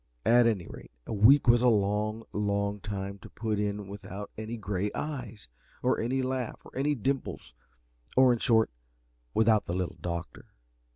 At any rate, a week was a long, long time to put in without any gray eyes or any laugh, or any dimples, or, in short, without the Little Doctor.